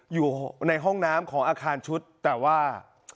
อยู่ในห้องน้ำของอาคารชุดแต่ว่า